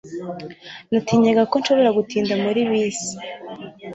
natinyaga ko nshobora gutinda muri bisi